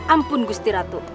ampun gusti ratu